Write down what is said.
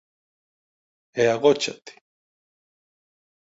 E agóchate.